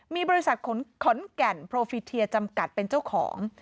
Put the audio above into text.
มีบริษัทขนขอนแก่นโพฟิเทียจำกัดเป็นเจ้าของ